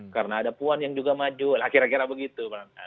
karena ada puan yang juga maju kira kira begitu